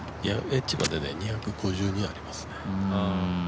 エッジまで２５２ありますね。